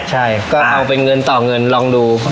ใช่ก็เอาเป็นเงินต่อเงินลองดู